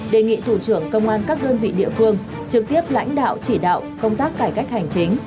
đề nghị thủ trưởng công an các đơn vị địa phương trực tiếp lãnh đạo chỉ đạo công tác cải cách hành chính